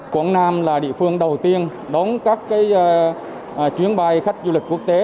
quảng nam là địa phương đầu tiên đón các chuyến bay khách du lịch quốc tế